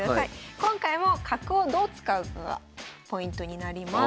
今回も角をどう使うかがポイントになります。